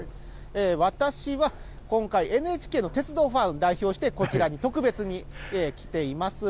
私は今回、ＮＨＫの鉄道ファンを代表して、こちらに特別に来ています。